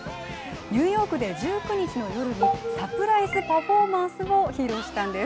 ニューヨークで１９日の夜にサプライズパフォーマンスも披露したんです。